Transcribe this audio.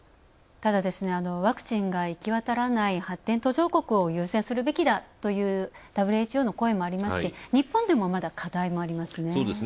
ただ、ワクチンが行き渡らない発展途上国を優先するべきだというＷＨＯの声もありますし日本でもまだ課題もありますね。